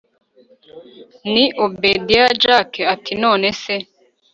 ni obedia jack ati nonese